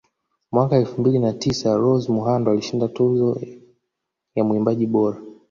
Mwaka elfu mbili na tisa Rose Muhando alishinda Tuzo ya Mwimbaji bora